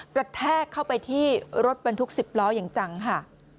แทกเข้าไปที่รถบรรทุก๑๐ล้ออย่างจังค่ะ